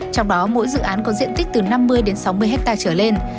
trong đó mỗi dự án có diện tích từ năm mươi đến sáu mươi hectare trở lên